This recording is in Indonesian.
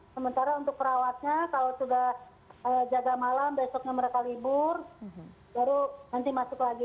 sementara untuk perawatnya kalau sudah jaga malam besoknya mereka libur baru nanti masuk lagi